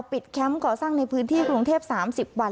ปิดแคมป์ก่อสร้างในพื้นที่กรุงเทพฯสามสิบวัน